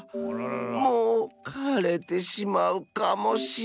もうかれてしまうかもしれん。